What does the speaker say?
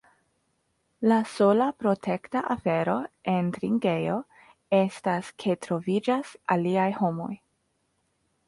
La sola protekta afero en drinkejo estas ke troviĝas aliaj homoj.